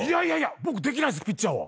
僕できないっすピッチャーは。